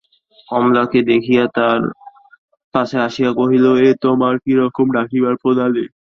কমলাকে দেখিয়া তার কাছে আসিয়া কহিল, এ তোমার কিরকম ডাকিবার প্রণালী?